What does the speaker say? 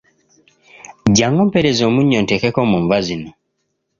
Jjangu ompeereze omunnyo nteekeko mu nva zino.